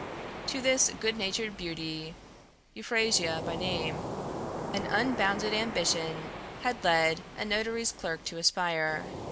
To this good natured beauty, Euphrasia by name, an unbounded ambition had led a notary's clerk to aspire.